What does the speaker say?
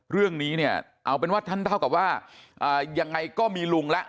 เรื่องนี้เนี่ยเอาเป็นว่าท่านเท่ากับว่ายังไงก็มีลุงแล้ว